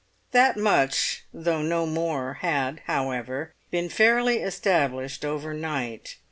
That much, though no more, had, however, been fairly established overnight.